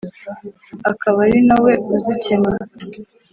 akaba ari na we uzikenura